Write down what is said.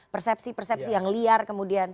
persepsi persepsi yang liar kemudian